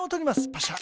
パシャ。